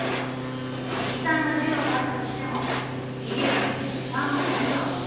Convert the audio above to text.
遺産が１０億あったとしても遺留分として３分の１は親にいく。